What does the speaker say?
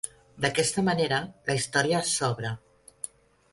D'aquesta manera, la història s'obre.